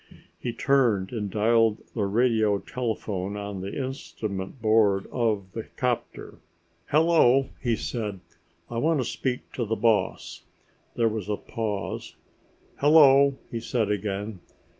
He turned and dialed the radio telephone on the instrument board of the 'copter. "Hello," he said, "I want to speak to the boss." There was a pause. "Hello," he said again.